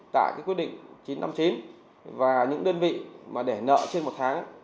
tại quyết định chín trăm năm mươi chín và những đơn vị để nợ trên một tháng